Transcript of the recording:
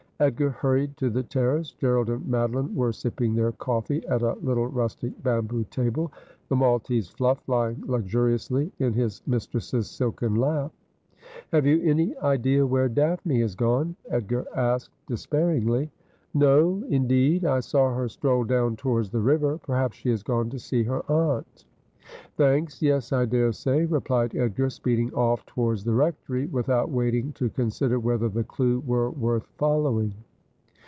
Edgar hurried to the terrace. Gerald and Madoline were sipping their coffee at a little rustic bamboo table, the Maltese Fluff lying luxuriously in his mistress's silken lap. ' Have you any idea where Daphne has gone ?' Edgar asked despairingly. 'No, indeed. I saw her stroll down towards the river. Perhaps she has gone to see her aunt.' ' Thanks, yes, I daresay,' replied Edgar, speeding off towards the Rectory without waiting to consider whether the clue were worth following.